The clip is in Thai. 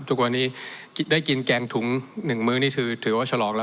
ทุกวันนี้ได้กินแกงถุง๑มื้อนี่คือถือว่าฉลองแล้ว